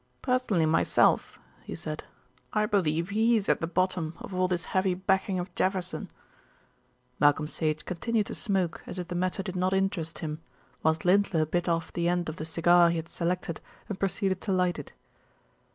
"Personally, myself," he said, "I believe he's at the bottom of all this heavy backing of Jefferson." Malcolm Sage continued to smoke as if the matter did not interest him, whilst Lindler bit off the end of the cigar he had selected and proceeded to light it.